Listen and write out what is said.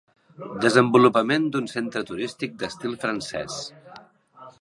Desenvolupament d'un centre turístic d'estil francès.